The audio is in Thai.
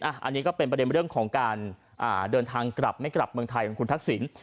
อันนี้ก็เป็นประเด็นเรื่องของการเดินทางกลับไม่กลับเมืองไทยของคุณทักษิณ